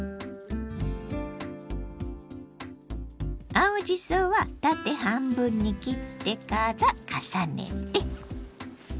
青じそは縦半分に切ってから重ねて。